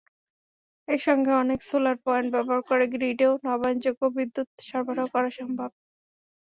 একসঙ্গে অনেক solar point ব্যবহার করে গ্রিডেও নবায়নযোগ্য বিদ্যুৎ সরবরাহ করা সম্ভব।